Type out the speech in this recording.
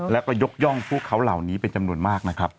แล้วก็ยกย่องพวกเขาเหล่านี้เป็นจำนวนมากนะครับ